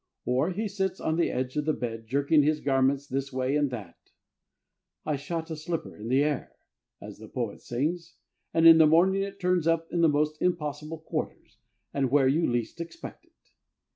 Or he sits on the edge of the bed jerking his garments this way and that. "I shot a slipper in the air," as the poet sings, and in the morning it turns up in the most impossible quarters, and where you least expect it.